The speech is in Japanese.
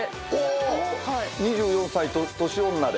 ２４歳年女で。